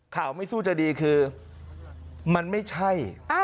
ไม่สู้จะดีคือมันไม่ใช่